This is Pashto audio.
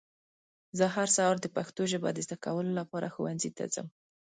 زه هر سهار د پښتو ژبه د ذده کولو لپاره ښونځي ته ځم.